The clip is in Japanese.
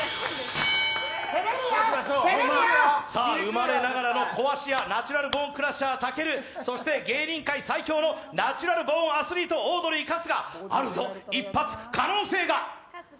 生まれながらの壊し屋ナチュラルボーンクラッシャー、武尊かそして芸人界最強のナチュラルボーンアスリートオードリー・春日。